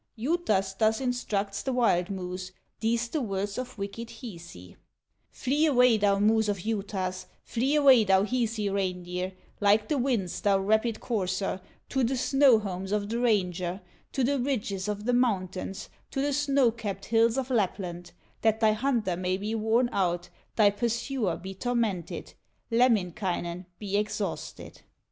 Juutas thus instructs the wild moose, These the words of wicked Hisi: "Flee away, thou moose of Juutas, Flee away, thou Hisi reindeer, Like the winds, thou rapid courser, To the snow homes of the ranger, To the ridges of the mountains, To the snow capped hills of Lapland, That thy hunter may be worn out, Thy pursuer be tormented, Lemminkainen be exhausted."